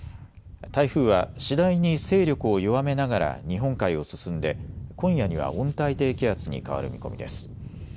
台風は次第に勢力を弱めながら日本海を進んで今夜には温帯低気圧に変わる見込みです。